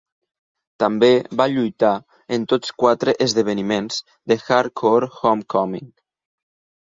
També va lluitar en tots quatre esdeveniments de Hardcore Homecoming.